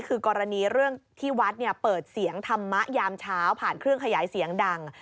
คือกรณีเรื่องที่วัดเปิดเสียงธรรมะยามเช้าผ่านเครื่องขยายเสียงดัง